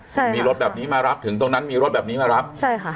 ใช่มีรถแบบนี้มารับถึงตรงนั้นมีรถแบบนี้มารับใช่ค่ะ